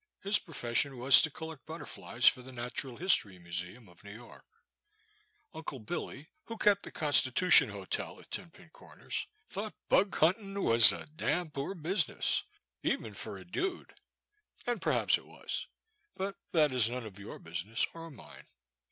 His profession was to collect butterflies for the Natural History Mu seum of New York. Uncle Billy, *' who kept the Constitution Hotel at Ten Pin Comers, thought *' bug huntin' " was a dampoor bizness, even fur a dood, '*— ^and perhaps it was — but that is none of your business or mine.